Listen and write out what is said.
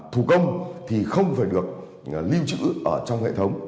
thủ công thì không phải được lưu trữ ở trong hệ thống